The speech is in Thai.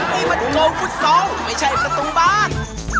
นี่มันโกมกุฟดซองไม่ใช่ประตูงบ้าน